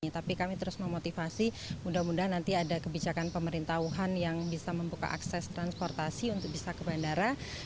tapi kami terus memotivasi mudah mudahan nanti ada kebijakan pemerintah wuhan yang bisa membuka akses transportasi untuk bisa ke bandara